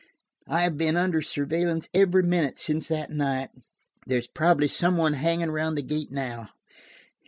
"I have been under surveillance every minute since that night. There's probably some one hanging around the gate now.